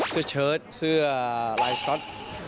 เสื้อเชิ้ตเสื้อรายสก็อต